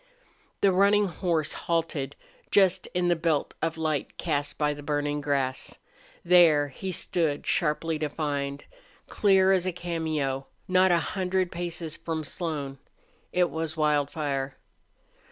The running horse halted just in the belt of light cast by the burning grass. There he stood sharply defined, clear as a cameo, not a hundred paces from Slone. It was Wildfire.